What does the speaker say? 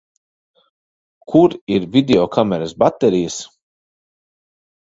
Kur ir videokameras baterijas?